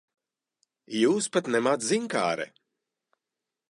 Jūs pat nemāc ziņkāre.